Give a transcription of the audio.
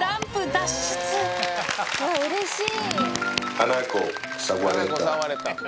うれしい。